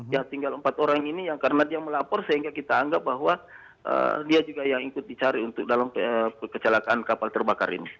ya tinggal empat orang ini yang karena dia melapor sehingga kita anggap bahwa dia juga yang ikut dicari untuk dalam kecelakaan kapal terbakar ini